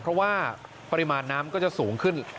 เพราะว่าปริมาณน้ำก็จะสูงขึ้น